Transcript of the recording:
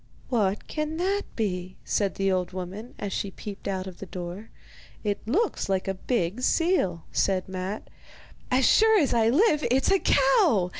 'What can that be?' said the old woman, as she peeped out of the door. 'It looks like a big seal,' said Matte. 'As sure as I live, it's a cow!